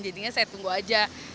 jadinya saya tunggu aja